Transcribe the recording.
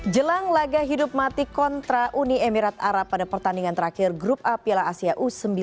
jelang laga hidup mati kontra uni emirat arab pada pertandingan terakhir grup a piala asia u sembilan belas